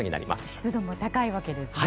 湿度も高いわけですね。